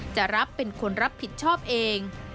จะรับเป็นคนรับผิดชอบเอง